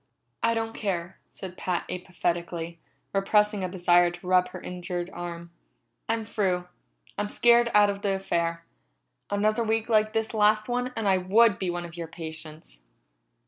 "I don't care," said Pat apathetically, repressing a desire to rub her injured arm. "I'm through. I'm scared out of the affair. Another week like this last one and I would be one of your patients."